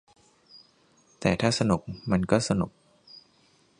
แต่ถ้าสนุกมันก็สนุก